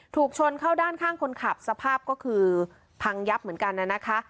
ถูกชนเข้าด้านข้างคนขับสภาพก็คือพังยับเหมือนกันน่ะนะคะ